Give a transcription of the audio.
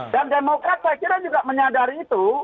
dan demokrat saya kira juga menyadari itu